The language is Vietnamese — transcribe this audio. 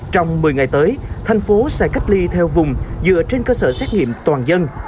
trong một mươi ngày tới thành phố sẽ cách ly theo vùng dựa trên cơ sở xét nghiệm toàn dân